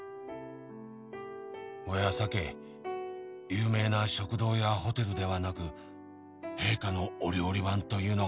「ほやさけ有名な食堂やホテルではなく」「陛下のお料理番というのが」